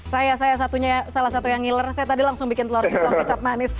saya saya salah satu yang ngiler saya tadi langsung bikin telur centong kecap manis